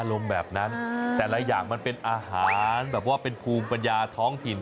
แบบนั้นแต่ละอย่างมันเป็นอาหารแบบว่าเป็นภูมิปัญญาท้องถิ่น